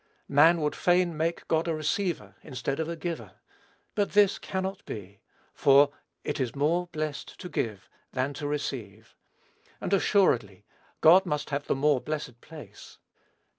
Man would fain make God a receiver instead of a giver; but this cannot be; for, "it is more blessed to give than to receive;" and, assuredly, God must have the more blessed place.